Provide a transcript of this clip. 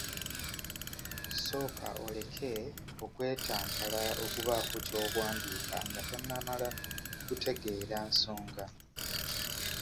Sooka oleke okwetantala okubaako ky'owandiika nga tonnamala kutegeera nsonga.